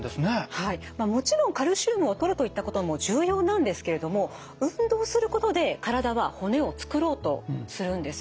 はいもちろんカルシウムをとるといったことも重要なんですけれども運動することで体は骨をつくろうとするんです。